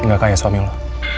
gak kayak suami lo